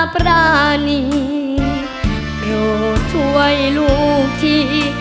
พระนี้เพื่อช่วยลูกที่